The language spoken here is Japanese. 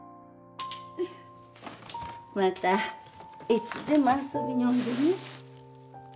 またいつでも遊びにおいでね